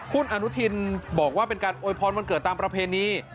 คุณอนุทินบอกว่าเป็นการอวยพรวันเกิดตามประเพณี